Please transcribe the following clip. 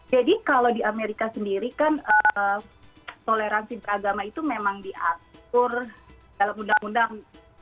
jadi kalau di amerika sendiri kan toleransi beragama itu memang diatur dalam undang undang